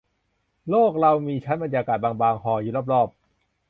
โลกเรามีชั้นบรรยากาศบางบาง ห่ออยู่รอบรอบ